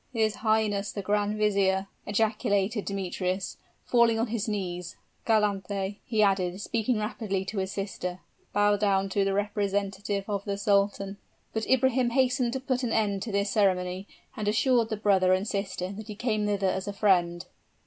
"His highness the grand vizier!" ejaculated Demetrius, falling on his knees; "Calanthe!" he added, speaking rapidly to his sister, "bow down to the representative of the sultan!" But Ibrahim hastened to put an end to this ceremony, and assured the brother and sister that he came thither as a friend.